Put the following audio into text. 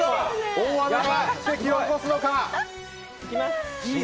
大穴が奇跡を起こすのか！